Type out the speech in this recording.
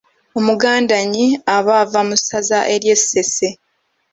Omugandannyi aba ava mu ssaza ery'e Ssese.